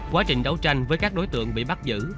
quá trình đấu tranh với các đối tượng bị bắt giữ